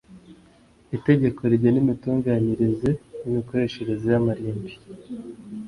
itegeko rigena imitunganyirize n imikoreshereze y amarimbi